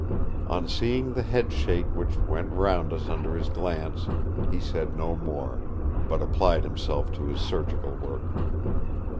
On seeing the headshake which went round us under his glance, he said no more, but applied himself to his surgical work.